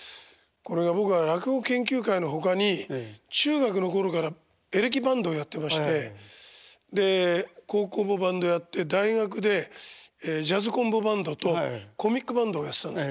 これは僕は落語研究会のほかに中学の頃からエレキバンドをやってましてで高校もバンドやって大学でジャズコンボバンドとコミックバンドをやってたんですね。